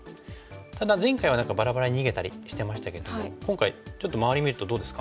ただ前回はバラバラに逃げたりしてましたけども今回ちょっと周り見るとどうですか？